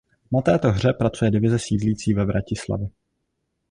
Na této hře pracuje divize sídlící ve Vratislavi.